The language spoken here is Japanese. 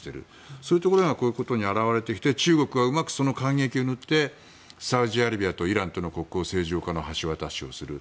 そういうのがここで現れてきていて中国はうまくその間隙を縫ってサウジアラビアとイランとの国交正常化の橋渡しをする。